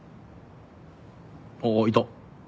あっいた。